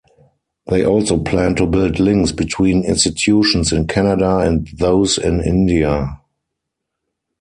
They also plan to build links between institutions in Canada and those in India.